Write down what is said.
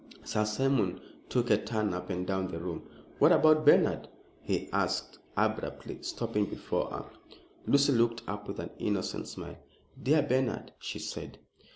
Sir Simon took a turn up and down the room. "What about Bernard?" he asked, abruptly stopping before her. Lucy looked up with an innocent smile. "Dear Bernard!" she said.